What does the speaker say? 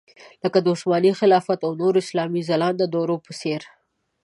لکه عثماني خلافت او د نورو اسلامي ځلانده دورو په څېر.